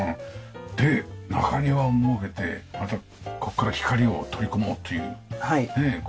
で中庭を設けてまたここから光を取り込もうという事になりますよね。